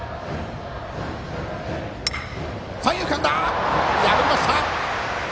三遊間、破りました。